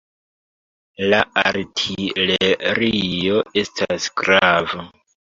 La artilerio estas grava.